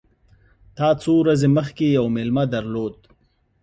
تا څو ورځي مخکي یو مېلمه درلود !